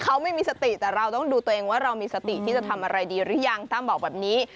เขาไม่มีสติแต่เราต้องดูตัวเองว่าเรามีสติที่จะทำอะไรดีหรือยังตั้มบอกแบบนี้